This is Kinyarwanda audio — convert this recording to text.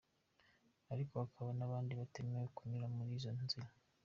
ariko hakaba n’abandi batemera kunyura muri izo nzira.